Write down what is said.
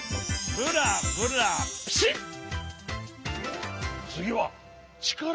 ブラブラピシッと！